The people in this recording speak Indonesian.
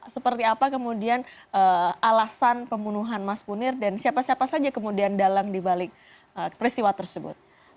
seperti apa kemudian alasan pembunuhan mas munir dan siapa siapa saja kemudian dalang dibalik peristiwa tersebut